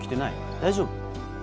大丈夫？